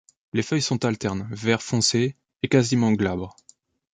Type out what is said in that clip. Les feuilles sont alternes, vert foncé et quasiment glabres.